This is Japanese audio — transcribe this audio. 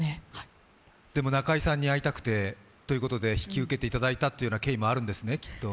でも、中居さんに会いたくて引き受けていただいたという経緯もあるんですね、きっと。